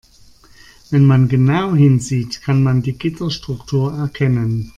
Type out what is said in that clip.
Wenn man genau hinsieht, kann man die Gitterstruktur erkennen.